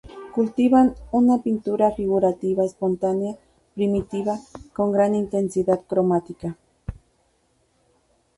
Cultivan una pintura figurativa, espontánea, primitiva, con gran intensidad cromática.